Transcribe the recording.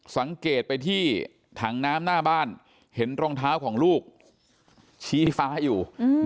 สังเกตไปที่ถังน้ำหน้าบ้านเห็นรองเท้าของลูกชี้ฟ้าอยู่